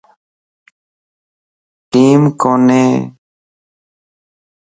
ٽيم ڪوني